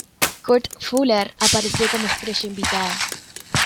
Kurt Fuller apareció como estrella invitada.